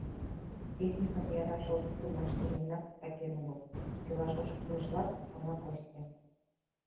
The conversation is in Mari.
«Техникым яра шогыктымаште мыйынат титакем уло, — селаш ошкылшыжла, шона Костя.